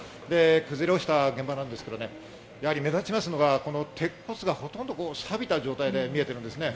崩れ落ちた現場なんですけどね、やはり目立ちますのがこの鉄骨がほとんど錆びた状態で見えているんですね。